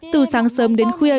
từ sáng sớm đến khuya